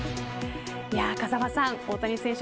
風間さん、大谷選手